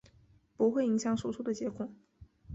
不会影响手术的结果。